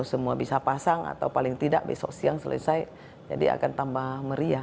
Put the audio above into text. siang selesai jadi akan tambah meriah